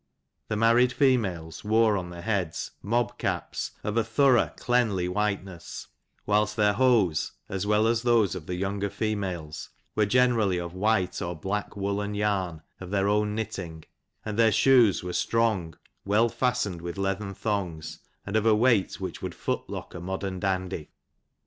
The married females wore, on their heads, mob caps, of a thorough cleanly whiteness, whilst their hose, as well as those of ths younger females, were generally of white or black woollen yam, of their own knitting ; and their shoes were strong, well fastened with leathern thongs, and of a weight which would foot lock a modem dandy.